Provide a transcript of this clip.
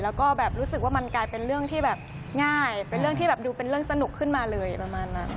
แล้วก็แบบรู้สึกว่ามันกลายเป็นเรื่องที่แบบง่ายเป็นเรื่องที่แบบดูเป็นเรื่องสนุกขึ้นมาเลยประมาณนั้น